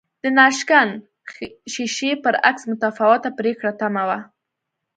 د ناشکن ښیښې برعکس متفاوته پرېکړه تمه وه